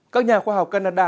các nhà khoa học canada